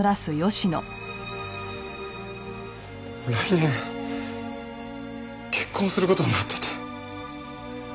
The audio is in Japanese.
来年結婚する事になってて。